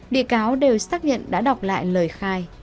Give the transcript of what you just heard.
bị cáo đều xác nhận đã đọc lại lời khai